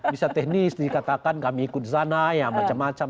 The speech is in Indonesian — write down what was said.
bisa teknis dikatakan kami ikut sana ya macam macam